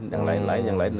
yang lain lain yang lain